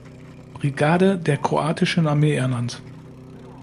Brigade der kroatischen Armee ernannt.